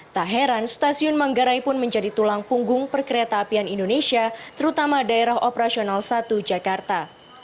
tak heran stasiun manggarai pun menjadi tulang punggung perkereta apian indonesia terutama daerah operasional satu jakarta